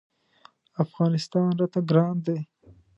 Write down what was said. افغانستان راته ګران دی.